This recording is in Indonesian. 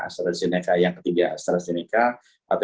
astrazeneca yang ketiga astrazeneca atau